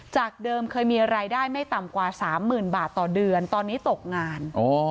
จากเดิมเคยมีรายได้ไม่ต่ำกว่า๓๐๐๐บาทต่อเดือนตอนนี้ตกงาน